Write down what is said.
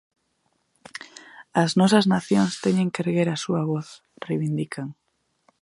"As nosas nacións teñen que erguer a súa voz", reivindican.